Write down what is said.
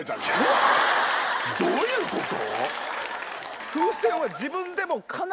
どういうこと？